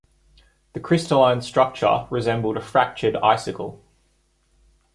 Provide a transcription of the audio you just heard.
The crystalline structure resembled a fractured icicle.